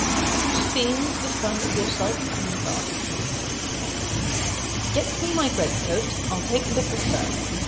"Have you seen the sun yourself on the garden?" "Yes, sir." "Get me my great coat; I'll take a little turn.